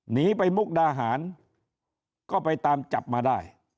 หนีไปมุกดาหารก็ไปตามจับมาได้